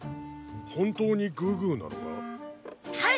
本当にグーグーなのか⁉はい！